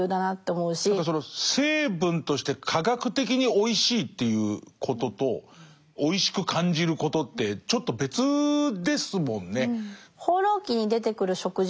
何かその成分として科学的においしいっていうこととおいしく感じることってちょっと別ですもんね。